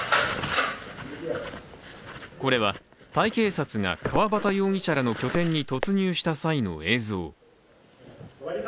これはタイ警察が川端容疑者らの拠点に突入した際の映像。